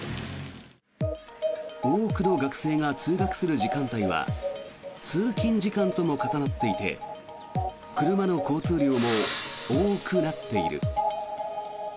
多くの学生が通学する時間帯は通勤時間とも重なっていて車の交通量も多くなっている。